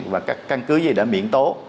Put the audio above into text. và các căn cứ gì đã miễn tố